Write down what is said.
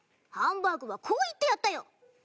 ハンバーグはこう言ってやったよ。